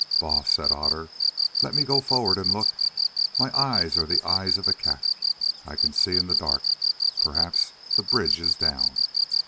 "Baas," said Otter, "let me go forward and look. My eyes are the eyes of a cat; I can see in the dark. Perhaps the bridge is down."